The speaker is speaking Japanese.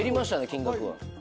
金額は。